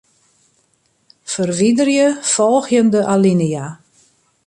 Ferwiderje folgjende alinea.